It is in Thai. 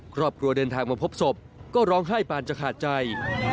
ครอบครัวเดินทางมาพบศพก็ร้องไห้ปานจะขาดใจ